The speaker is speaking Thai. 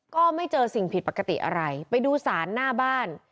ก็ไม่เจอสิ่งผิดปกติอะไรไปดูสารหน้าบ้าน